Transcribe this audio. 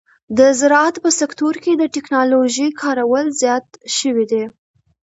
د زراعت په سکتور کې د ټکنالوژۍ کارول زیات شوي دي.